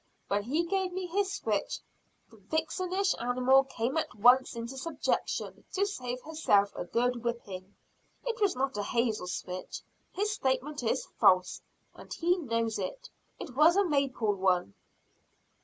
When he gave me his switch, the vixenish animal came at once into subjection to save herself a good whipping. It was not a hazel switch, his statement is false, and he knows it, it was a maple one."